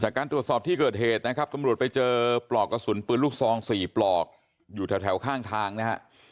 การตรวจสอบที่เกิดเหตุนะครับตำรวจไปเจอปลอกกระสุนปืนลูกซอง๔ปลอกอยู่แถวข้างทางนะฮะ